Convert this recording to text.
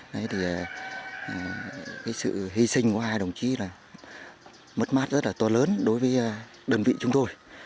đấy thì cái sự hy sinh của hai đồng chí là mất mát rất là to lớn đối với đơn vị chúng tôi